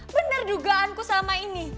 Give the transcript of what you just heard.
bener dugaanku selama ini